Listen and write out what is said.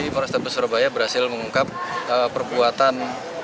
polrestabes surabaya berhasil mengungkap perbuatan